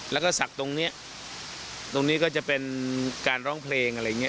แล้วก็ศักดิ์ตรงนี้ตรงนี้ก็จะเป็นการร้องเพลงอะไรอย่างนี้